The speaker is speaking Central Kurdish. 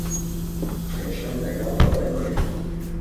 کێشەم لەگەڵ ئەوە نییە.